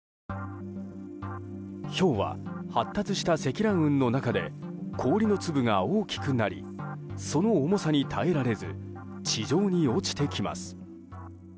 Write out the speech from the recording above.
ひょうは、発達した積乱雲の中で氷の粒が大きくなりその重さに耐えられず地上に落ちてきます。